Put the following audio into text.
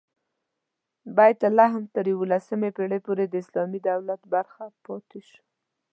بیت لحم تر یوولسمې پېړۍ پورې د اسلامي دولت برخه پاتې شو.